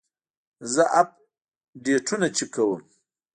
زه د اپ ډیټونه چک کوم.